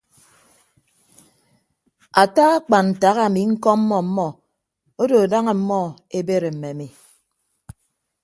Ata akpan ntak ami ñkọọmmọ ọmmọ odo daña ọmmọ ebere mme ami.